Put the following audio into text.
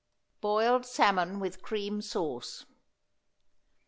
BOILED SALMON WITH CREAM SAUCE.